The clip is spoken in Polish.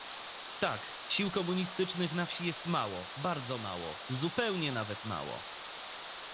"Tak, sił komunistycznych na wsi jest mało, bardzo mało, zupełnie nawet mało."